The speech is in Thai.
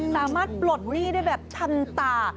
สามารถปลดหนี้ได้แบบทันตา